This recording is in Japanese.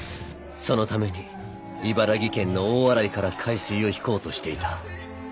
そのために茨城県の大洗から海水を引こうとしていた。